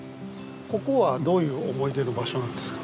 ここはどういう思い出の場所なんですか？